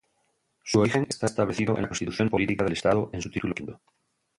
Su origen está establecido en la Constitución Política del Estado en su Título Quinto.